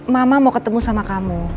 mama mau ketemu sama kamu